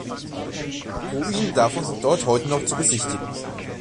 Ruinen davon sind dort heute noch zu besichtigen.